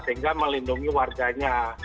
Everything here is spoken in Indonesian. sehingga melindungi warganya